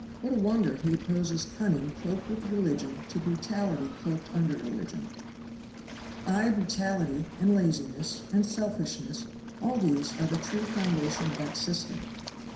What a wonder he opposes cunning cloaked with religion to brutality cloaked under religion. Ay, brutality, and laziness, and selfishness, all these are the true foundation of that system.